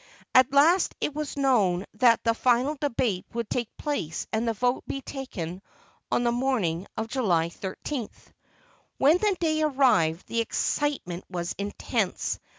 At last it was known that the final debate would take place and the vote be taken on the morning of July 13. When the day arrived the excitement was intense.